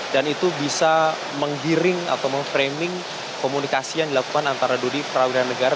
dan itu bisa menggiring atau memframing komunikasi yang dilakukan antara dua diperawanan negara